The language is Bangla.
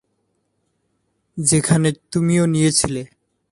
যেখানে তুমিও নিয়েছিলে।